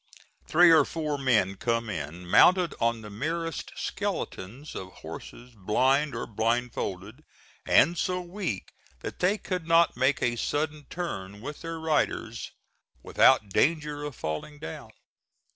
Three or four men come in, mounted on the merest skeletons of horses blind or blind folded and so weak that they could not make a sudden turn with their riders without danger of falling down.